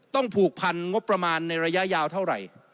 ผูกพันงบประมาณในระยะยาวเท่าไหร่